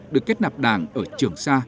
được kết nạp đảng ở trường xa